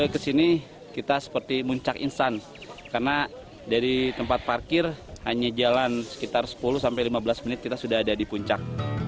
kesini kita seperti muncak insan karena dari tempat parkir hanya jalan sekitar sepuluh sampai lima belas menit kita sudah ada di puncak